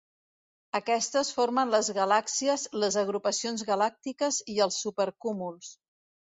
Aquestes formen les galàxies, les agrupacions galàctiques i els supercúmuls.